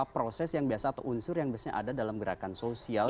proses yang biasa atau unsur yang biasanya ada dalam gerakan sosial